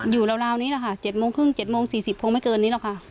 อยู่ระวะนี้แหละค่ะ๗โมงครึ่ง๗๔๐ไม่เกินนี่แหละค่ะ